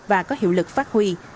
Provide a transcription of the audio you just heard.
và có hiệu lực phát huy